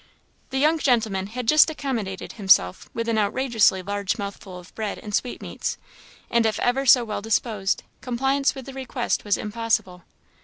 The young gentleman had just accommodated himself with an outrageously large mouthful of bread and sweetmeats, and if ever so well disposed, compliance with the request was impossible.